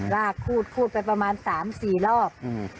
ลากคูดคูดไปประมาณสามสี่รอบ